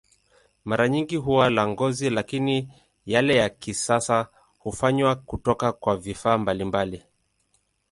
Mara nyingi huwa la ngozi, lakini yale ya kisasa hufanywa kutoka kwa vifaa mbalimbali.